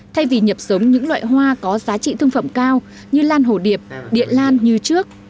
thay vì nhập sống những loại hoa có giá trị thương phẩm cao như lan hồ điệp địa lan như trước